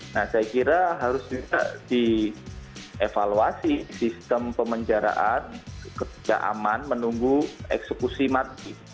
nah saya kira harus juga dievaluasi sistem pemenjaraan ketika aman menunggu eksekusi mati